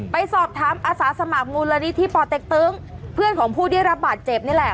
ไปสอบถามอาสาสมัครมูลนิธิป่อเต็กตึงเพื่อนของผู้ได้รับบาดเจ็บนี่แหละ